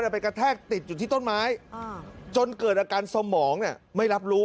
ไปกระแทกติดอยู่ที่ต้นไม้จนเกิดอาการสมองไม่รับรู้